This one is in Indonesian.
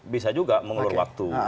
bisa juga mengelur waktu